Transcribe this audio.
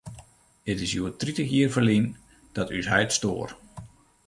It is hjoed tritich jier ferlyn dat ús heit stoar.